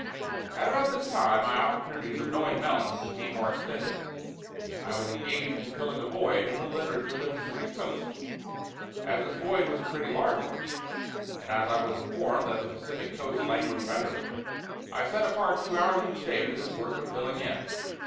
At about this time my opportunities of knowing Melons became more extended. I was engaged in filling a void in the Literature of the Pacific Coast. As this void was a pretty large one, and as I was informed that the Pacific Coast languished under it, I set apart two hours each day to this work of filling in.